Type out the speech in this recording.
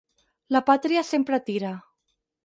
La pàtria sempre tira.